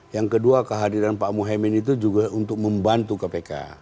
yang kedua kehadiran pak muhaymin itu juga untuk membantu kpk